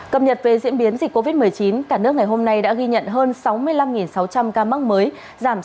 cập nhật về diễn biến dịch covid một mươi chín cả nước ngày hôm nay đã ghi nhận hơn sáu mươi năm sáu trăm linh ca mắc mới